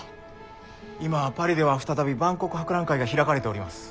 今パリでは再び万国博覧会が開かれております。